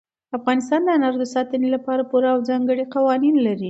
افغانستان د انارو د ساتنې لپاره پوره او ځانګړي قوانین لري.